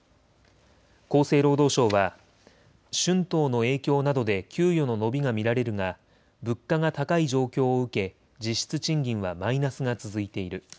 厚生労働省は春闘の影響などで給与の伸びが見られるが物価が高い状況を受け実質賃金はマイナスが続いている。